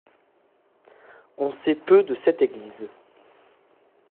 On sait peu de cette église.